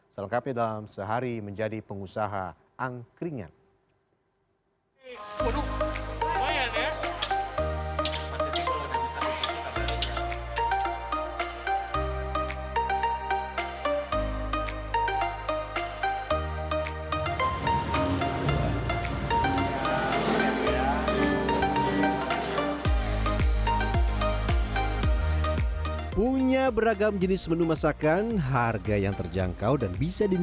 selengkapnya dalam sehari menjadi pengusaha angkringan